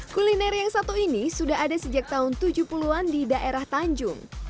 kuliner yang satu ini sudah ada sejak tahun tujuh puluh an di daerah tanjung